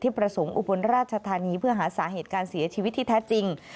ประสงค์อุบลราชธานีเพื่อหาสาเหตุการเสียชีวิตที่แท้จริง